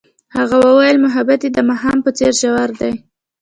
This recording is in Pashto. هغې وویل محبت یې د ماښام په څېر ژور دی.